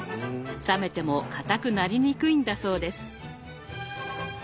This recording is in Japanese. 冷めてもかたくなりにくいんだそうです。